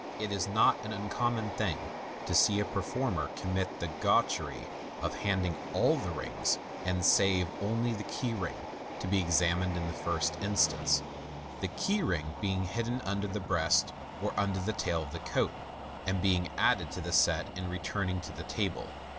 It is not an ncommon thing to see a performer commit the gauchene of handing all the rings, save only the key ring, to be examined in the first instance ; the key ring being hidden under the breast or under the tail of the coat, and being added to the set in returning to the table.